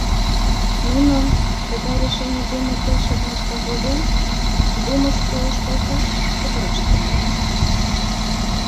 Нуно, тыгай решений дене келшыдымыштым возен, Думыш уэш колташ кутыраш тӱҥальыч.